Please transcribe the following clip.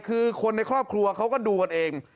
คือคนในครอบครัวเขาก็ดูกันเอง